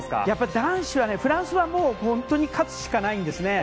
男子は、フランスは本当に勝つしかないんです。